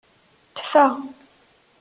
Tfa.